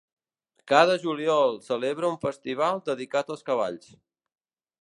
Cada juliol celebra un festival dedicat als cavalls.